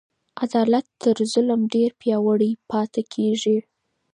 عدالت تر ظلم ډیر پیاوړی پاته کیږي.